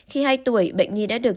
khi hai tuổi bệnh nhi đã được